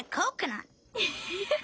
ウフフフ！